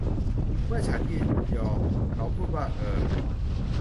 เมื่อฉันยินยอม เขาพูดว่า เออ